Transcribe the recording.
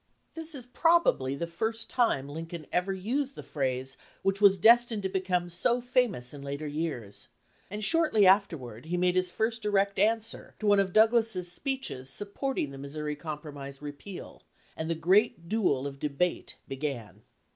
This is probably the first time Lincoln ever used the phrase which was destined to become so famous in later years, and shortly afterward he made his first direct answer to one of Douglas's speeches supporting the Missouri Compromise repeal, and the great duel of debate began.